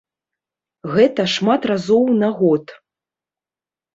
Гэта шмат разоў на год.